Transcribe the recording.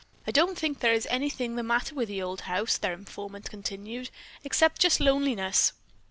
I don't think there is anything the matter with the old house," their informant continued, "except just loneliness.